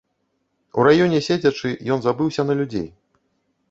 У раёне седзячы, ён забыўся на людзей.